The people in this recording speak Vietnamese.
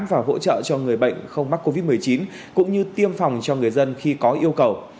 và hỗ trợ cho người bệnh không mắc covid một mươi chín cũng như tiêm phòng cho người dân khi có yêu cầu